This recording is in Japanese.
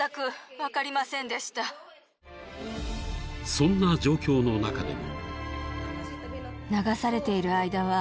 ［そんな状況の中でも］